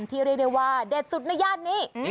ที่เรียกได้ว่าเด็ดสุดในญาตินี้